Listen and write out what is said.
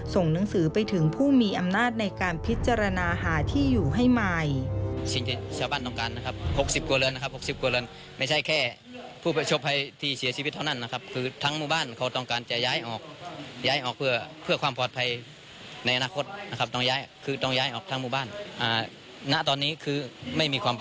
ส่งหนังสือไปถึงผู้มีอำนาจในการพิจารณาหาที่อยู่ให้ใหม่